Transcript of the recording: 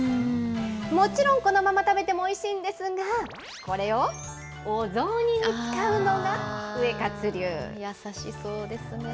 もちろん、このまま食べてもおいしいんですが、これをお雑煮に使うのがウエカツ流。